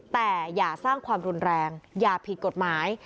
แต่อย่าสร้างความรุนแรงอย่าผิดกฎหมาย